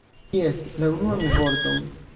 Jes, la unuan vorton!